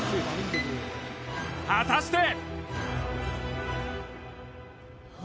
果たして！？